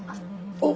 おっ。